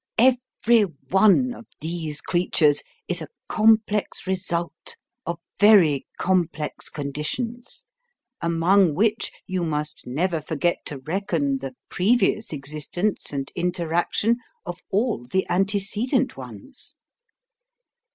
Every one of these creatures is a complex result of very complex conditions, among which you must never forget to reckon the previous existence and interaction of all the antecedent ones.